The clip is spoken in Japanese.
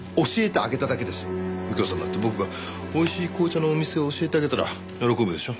右京さんだって僕が美味しい紅茶のお店を教えてあげたら喜ぶでしょう？